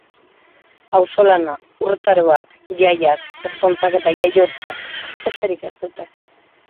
Auzolana, urtaroak, jaiak, ezkontzak eta jaiotzak: besterik ez dute.